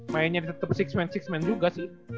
mainnya tetep enam man enam man juga sih